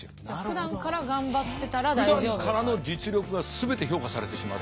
ふだんからの実力が全て評価されてしまう。